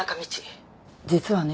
実はね